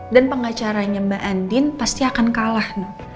dan pengacaranya mbak andin pasti akan kalah